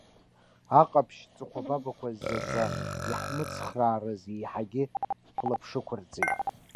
Аҟаԥшь ҵыхәабабақәа заҵа иаҳмыцхраарыз, еиҳагьы ҳлаԥшықәырҵеит.